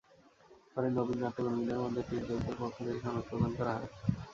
পরে নবীন নাট্যকর্মীদের মধ্যে তির্যকের পক্ষ থেকে সনদ প্রদান করা হয়।